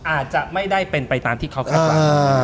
อาจจะไม่ได้เป็นไปตามที่เขาคาดหวัง